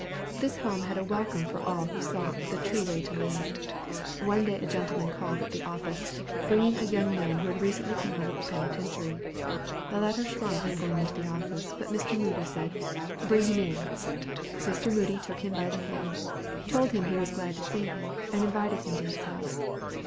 This home had a welcome for all who sought the true way to live. One day a gentleman called at the office, bringing a young man who had recently come out of the penitentiary. The latter shrunk from going into the office, but Mr. Moody said, "Bring him in." Mr. Moody took him by the hand, told him he was glad to see him, and invited him to his house.